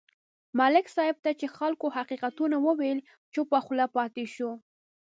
ملک صاحب ته چې خلکو حقیقتونه وویل، چوپه خوله پاتې شو.